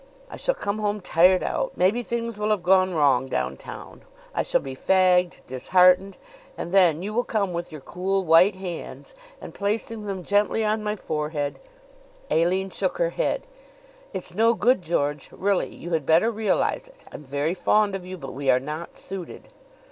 I shall come home tired out. Maybe things will have gone wrong downtown. I shall be fagged, disheartened. And then you will come with your cool, white hands and, placing them gently on my forehead " Aline shook her head. "It's no good, George. Really, you had better realize it. I'm very fond of you, but we are not suited!"